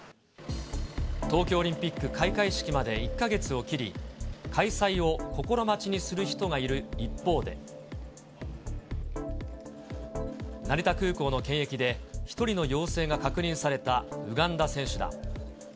東京オリンピック開会式まで１か月を切り、開催を心待ちにする人がいる一方で、成田空港の検疫で１人の陽性が確認されたウガンダ選手団。